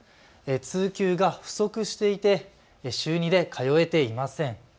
通級が不足していて週２で通えていません。